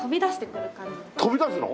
飛び出すの？